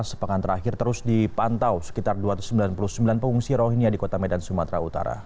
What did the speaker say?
sepekan terakhir terus dipantau sekitar dua ratus sembilan puluh sembilan pengungsi rohinia di kota medan sumatera utara